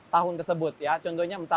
tahun tersebut contohnya